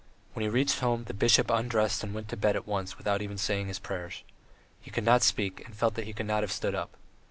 When he reached home, the bishop undressed and went to bed at once without even saying his prayers. He could not speak and felt that he could not have stood up.